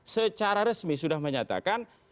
secara resmi sudah menyatakan